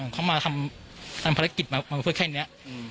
เขามาทำภารกิจมาเพื่อแค่นี้